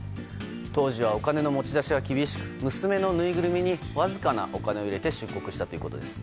当時はお金の持ち出しは厳しく娘のぬいぐるみにわずかなお金を入れて出国したということです。